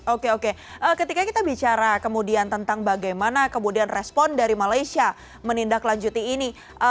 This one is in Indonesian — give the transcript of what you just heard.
oke oke ketika kita bicara kemudian tentang bagaimana kemudian respon dari malaysia menindaklanjuti ini